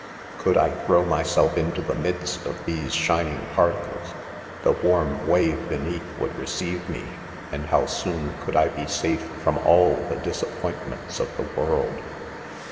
Could I throw myself into the midst of these shining particles, the warm wave be neath would receive me, and how soon could I be safe from all the disappointments of the world